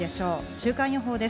週間予報です。